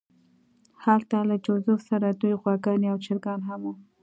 هلته له جوزف سره دوې غواګانې او چرګان هم وو